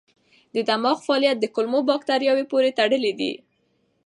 د دماغ فعالیت د کولمو بکتریاوو پورې تړلی دی.